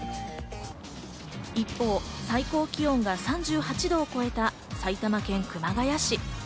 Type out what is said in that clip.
一方、最高気温が３８度を超えた埼玉県熊谷市。